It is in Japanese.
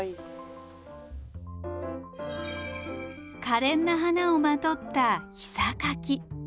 かれんな花をまとったヒサカキ。